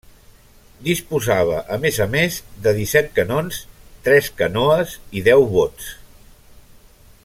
Disposava a més a més de disset canons, tres canoes i deu bots.